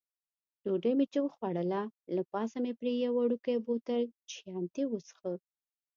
ډوډۍ مې چې وخوړله، له پاسه مې پرې یو وړوکی بوتل چیانتي وڅېښه.